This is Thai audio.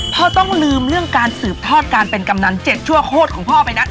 พ่อต้องลืมการสืบทอดเป็นกำแนนเจ็ดชั่วโคตรของพ่อไปนะ